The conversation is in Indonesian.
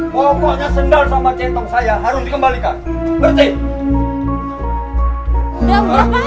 pokoknya sendal sama centong saya harus dikembalikan berarti